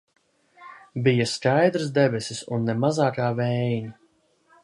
Bija skaidras debesis un ne mazākā vējiņa.